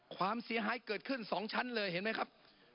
ความเสียหายเกิดขึ้น๒ชั้นเลยเห็นไหมครับ